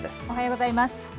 おはようございます。